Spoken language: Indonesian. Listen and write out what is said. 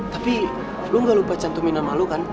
tapi lu gak lupa cantuminan malu kan